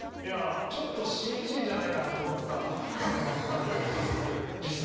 ちょっとＣＧじゃないかなと思ってたとこもあったんで。